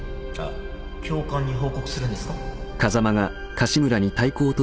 教官に報告するんですか？